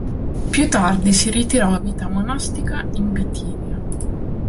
Più tardi si ritirò a vita monastica in Bitinia.